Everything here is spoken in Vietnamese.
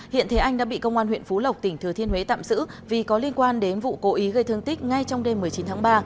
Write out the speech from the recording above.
hiện thế anh đã bị công an huyện phú lộc tỉnh thừa thiên huế tạm giữ vì có liên quan đến vụ cố ý gây thương tích ngay trong đêm một mươi chín tháng ba